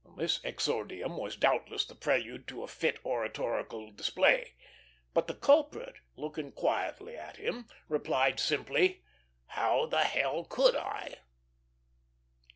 This exordium was doubtless the prelude to a fit oratorical display; but the culprit, looking quietly at him, replied, simply, "How the h l could I?"